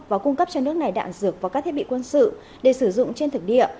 và cung cấp cho nước này đạn dược và các thiết bị quân sự để sử dụng trên thực địa